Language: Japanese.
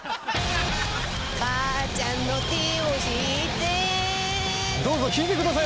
かあちゃんの手をひいてどうぞひいてください